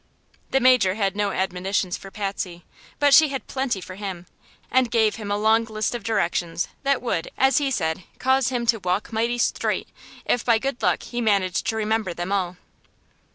The Major had no admonitions for Patsy, but she had plenty for him, and gave him a long list of directions that would, as he said, cause him to "walk mighty sthraight" if by good luck he managed to remember them all.